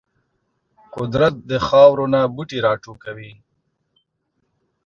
قدرت د خاورو نه بوټي راټوکوي.